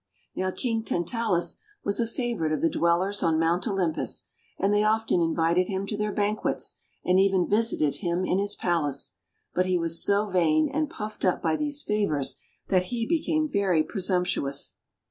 Now King Tantalus was a favourite of the Dwellers on Mount Olympus, and they often invited him to their banquets, and even visited him in his palace. But he was so vain and puffed up by these favours that he became very presumptuous.